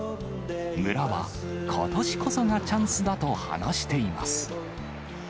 村はことしこそがチャンスだと話しています。